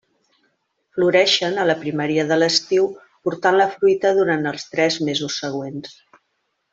Floreixen a la primeria de l'estiu portant la fruita durant els tres mesos següents.